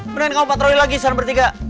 beneran kamu patroli lagi san bertiga